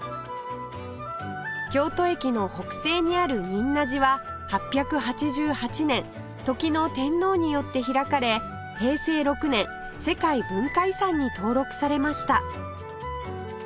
京都駅の北西にある仁和寺は８８８年時の天皇によって開かれ平成６年世界文化遺産に登録されました